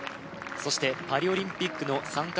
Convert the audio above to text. そしてパリオリンピックの参加